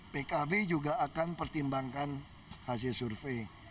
pkb juga akan pertimbangkan hasil survei